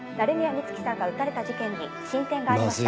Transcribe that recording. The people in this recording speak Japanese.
美月さんが撃たれた事件に進展がありました。